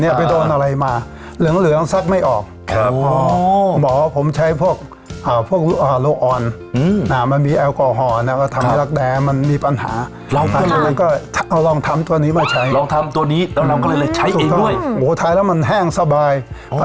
เฮียก็ได้ไอเดียจากนั้นแล้วก็เริ่มทำขายเลยเหรอคะ